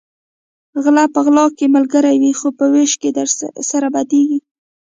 غلۀ په غلا کې ملګري وي خو په وېش کې سره بدیږي